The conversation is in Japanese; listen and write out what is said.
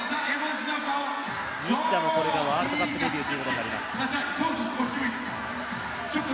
西田もこれがワールドカップデビューとなります。